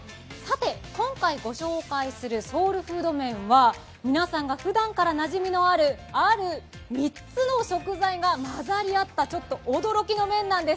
今回ご紹介するソウルフード麺は、皆さんがふだんからなじみのあるある３つの食材が混ざり合ったちょっと驚きの麺なんです。